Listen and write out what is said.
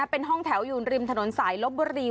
เป็นห้องแถวอยู่ริมถนนสายลบบุรี